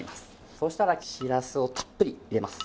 そうしたらしらすをたっぷり入れます。